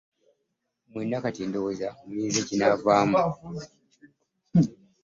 Mwenna ndowooza kati mulinze kinvaamu.